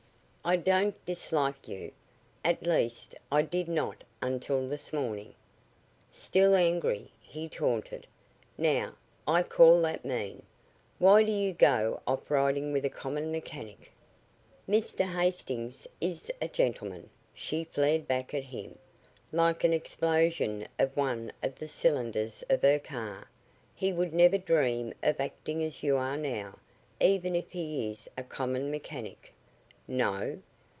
"I don't dislike you. At least, I did not until this morning." "Still angry," he taunted. "Now, I call that mean. Why do you go off riding with a common mechanic?" "Mr. Hastings is a gentleman!" she flared back at him, like an explosion of one of the cylinders of her car. "He would never dream of acting as you are now, even if he is a common mechanic." "No?"